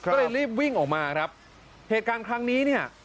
ก็เลยรีบวิ่งออกมาครับเหตุการณ์ครั้งนี้เนี่ย